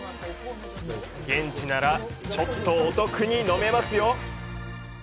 現地ならちょっとお得に飲めますよ！